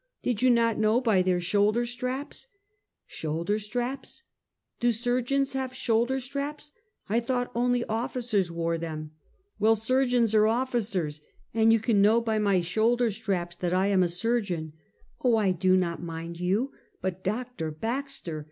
Did you not know by their shoulderstraps?" " Shoulderstraps ? Do surgeons have shoulderstraps ? I thought only officers wore them!" "Well, surgeons are officers, and you can know by my shoulderstraps that I am a surgeon," " Oh, I do not mind you; but Dr. Baxter!